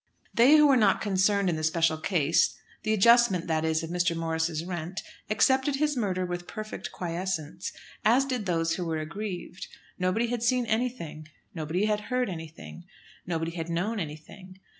They who were not concerned in the special case, the adjustment that is of Mr. Morris's rent, accepted his murder with perfect quiescence, as did those who were aggrieved. Nobody had seen anything. Nobody had heard anything. Nobody had known anything.